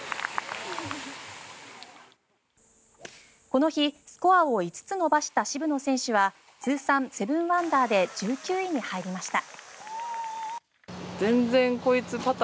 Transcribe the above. この日、スコアを５つ伸ばした渋野選手は通算７アンダーで１９位に入りました。